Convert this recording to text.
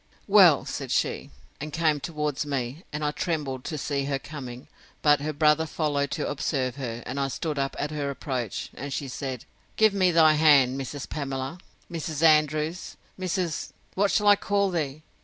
—Well, said she, (and came towards me, and I trembled to see her coming; but her brother followed to observe her, and I stood up at her approach, and she said,) give me thy hand, Mrs. Pamela, Mrs. Andrews, Mrs. what shall I call thee?